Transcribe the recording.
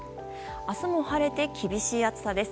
明日も晴れて厳しい暑さです。